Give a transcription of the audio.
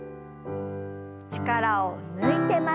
力を抜いて前に。